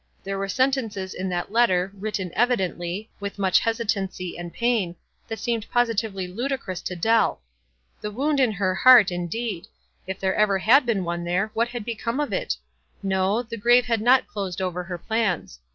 There were sentences in that letter, written evidently, with much hesitancy and pain, that seemed pos itively ludicrous to Dell. "The wound in hei heart, indeed ! If there ever had been one there, what had become of it? No, 'the grave had not closed over her plans.'